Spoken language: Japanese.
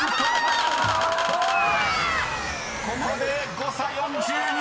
［ここで誤差４２！